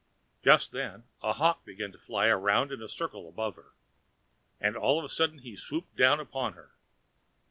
Just then a hawk began to fly round in a circle above her, and all of a sudden he swooped down upon her.